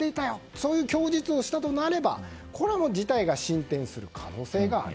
そういう供述をしたとなれば事態が進展する可能性がある。